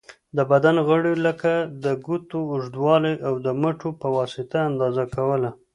د بدن غړیو لکه د ګوتو اوږوالی، او د مټو په واسطه اندازه کوله.